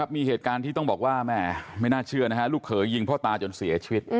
มีเหตุการณ์ที่ต้องบอกว่าแม่ไม่น่าเชื่อนะฮะลูกเขยยิงพ่อตาจนเสียชีวิต